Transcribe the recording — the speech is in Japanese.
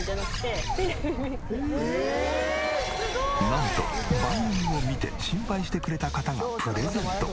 なんと番組を見て心配してくれた方がプレゼント。